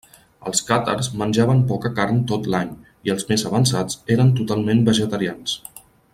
Els càtars menjaven poca carn tot l'any, i els més avançats eren totalment vegetarians.